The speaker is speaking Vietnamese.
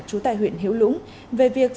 trú tại huyện hiểu lũng về việc